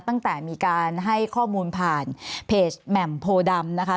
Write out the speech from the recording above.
ตั้งแต่มีการให้ข้อมูลผ่านเพจแหม่มโพดำนะคะ